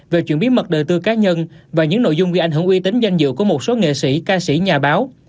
về chuyển biến mật đời tư cá nhân và những nội dung ghi ảnh hưởng uy tín danh dự của một số nghệ sĩ ca sĩ nhà báo